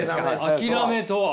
諦めとは？